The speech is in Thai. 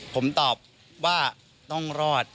ผมตอบว่าต้องรอด